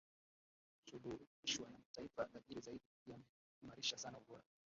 kusuluhishwa na mataifa tajiri zaidi yameimarisha sana ubora